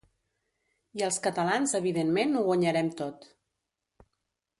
I els catalans evidentment ho guanyarem tot.